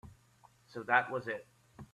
So that was it.